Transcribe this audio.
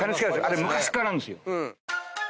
あれ昔からあるんですよ。